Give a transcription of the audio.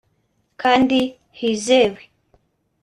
kandi hizewe